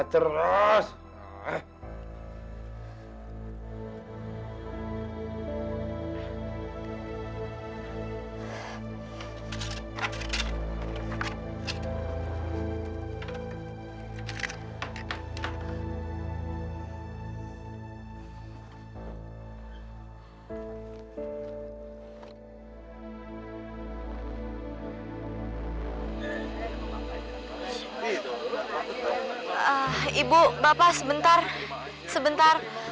tidak ada apa apa